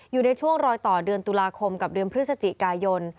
อยู่ในช่วงรอยต่อเดือนตุลาคมกับเดือนพฤศจิกายน